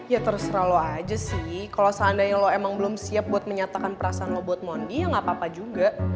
ya terus terlalu aja sih kalau seandainya lo emang belum siap buat menyatakan perasaan lo buat mondi ya nggak apa apa juga